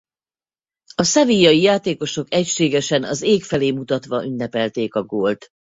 A sevillai játékosok egységesen az ég felé mutatva ünnepelték a gólt.